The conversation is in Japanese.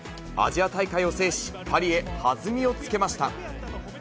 アジア大会を制し、パリへ弾みをつけました。